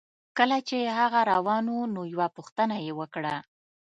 کله چې هغه روان و نو یوه پوښتنه یې وکړه